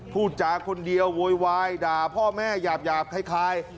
พูดจาคนเดียวโวยวายด่าพ่อแม่หยาบคล้าย